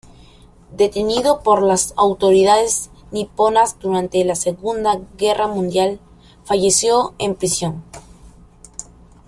Detenido por las autoridades niponas durante la Segunda Guerra Mundial, falleció en prisión.